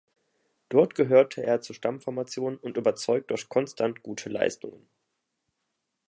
Dort gehörte er zur Stammformation und überzeugt durch konstant gute Leistungen.